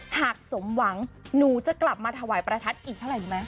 หากสมหวังหนูจะกลับมาถวายปรฐัฐอีกเท่าไหร่มั้ย